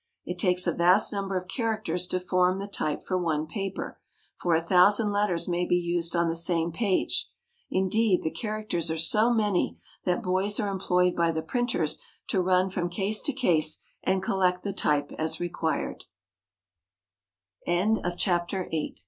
It takes a vast number of characters to form the type for one paper ; for a thousand letters may be used on the same page. Indeed, the characters are so many that boys are employed by the printers to run from case to cas